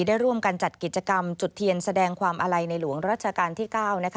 ได้ร่วมกันจัดกิจกรรมจุดเทียนแสดงความอาลัยในหลวงรัชกาลที่๙